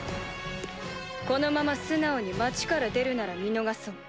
このまま素直に町から出るなら見逃そう。